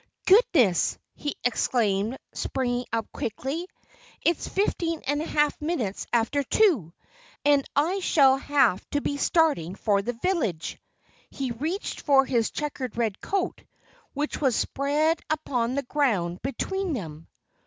"Goodness!" he exclaimed, springing up quickly. "It's fifteen and a half minutes after two; and I shall have to be starting for the village." He reached for his checkered red coat, which was spread upon the ground between them.